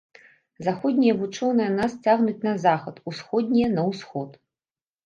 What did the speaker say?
Заходнія вучоныя нас цягнуць на захад, усходнія на ўсход.